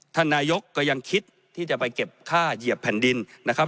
ท่านนายกก็ยังคิดที่จะไปเก็บค่าเหยียบแผ่นดินนะครับ